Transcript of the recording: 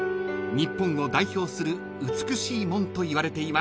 ［日本を代表する美しい門といわれています］